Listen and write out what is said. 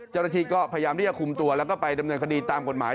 เจ้าหน้าที่ก็พยายามที่จะคุมตัวแล้วก็ไปดำเนินคดีตามกฎหมาย